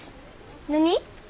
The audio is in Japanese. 何？